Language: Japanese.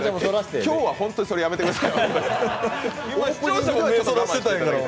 今日は本当にそれやめてください。